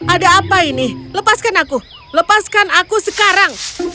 ada apa ini lepaskan aku lepaskan aku sekarang